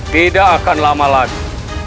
tidak akan lama lagi